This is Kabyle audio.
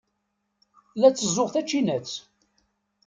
La tteẓẓuɣ tacinat.